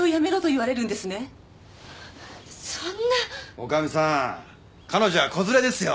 女将さん彼女は子連れですよ